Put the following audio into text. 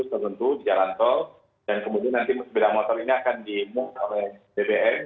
tertentu di jalan tol dan kemudian nanti sepeda motor ini akan dimungk oleh bbm